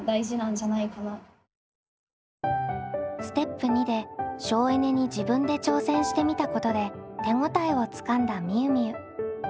ステップ②で省エネに自分で挑戦してみたことで手応えをつかんだみゆみゆ。